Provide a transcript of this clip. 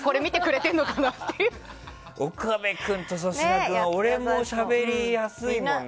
岡部君と粗品君は俺もしゃべりやすいもん。